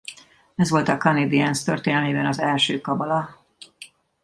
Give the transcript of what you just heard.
Ez volt a Canadiens történelmében az első kabala.